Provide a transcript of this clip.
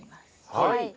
はい。